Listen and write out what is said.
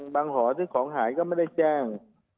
บางห่อถือของหายก็ไม่ได้แจ้ง